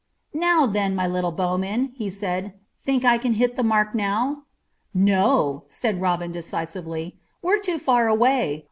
"Now then, my little bowman," he said; "think I can hit the mark now?" "No," said Robin decisively; "we're too far away.